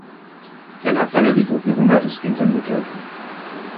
Danach verlor die Gruppierung weitestgehend an Bedeutung.